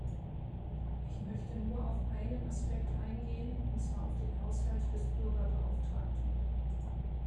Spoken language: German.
Ich möchte nur auf einen Aspekt eingehen, und zwar auf den Haushalt des Bürgerbeauftragten.